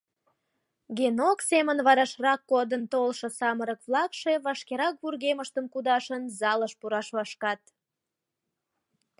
Генок семын варашрак кодын толшо самырык-влакше, вашкерак вургемыштым кудашын, залыш пураш вашкат.